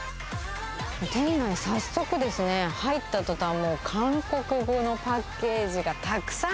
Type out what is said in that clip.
店内、早速ですね、入ったとたん、もう、韓国語のパッケージがたくさん。